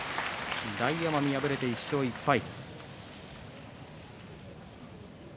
大奄美、敗れて１勝１敗。